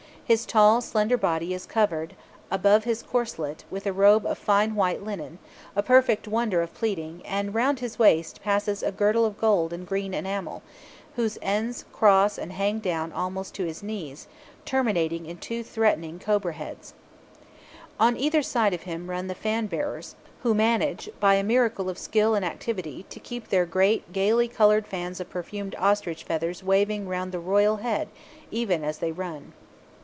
His tall slender body is covered, above his corselet, with a robe of fine white linen, a perfect wonder of pleating; and round his waist passes a girdle of gold and green enamel, whose ends cross and hang down almost to his knees, terminating in two threatening cobra heads (Plate 4 and Cover Picture). On either side of him run the fan bearers, who manage, by a miracle of skill and activity, to keep their great gaily coloured fans of perfumed ostrich feathers waving round the royal head even as they run.